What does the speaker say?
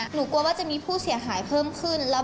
หนูก็ไม่สามารถบอกผู้เสียหายคนอื่นได้